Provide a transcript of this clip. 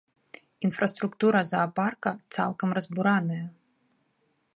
Інфраструктура заапарка цалкам разбураная.